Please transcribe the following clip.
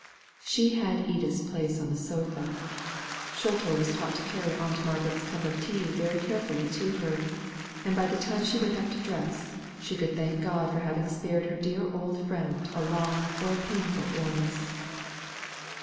She had Edith's place on the sofa; Sholto was taught to carry Aunt Margaret's cup of tea very carefully to her; and by the time she went up to dress, she could thank God for having spared her dear old friend a long or a painful illness.